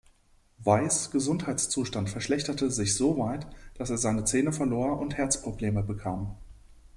Weis Gesundheitszustand verschlechterte sich so weit, dass er seine Zähne verlor und Herzprobleme bekam.